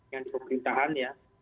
yang di pemerintahan ya